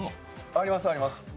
ありますあります。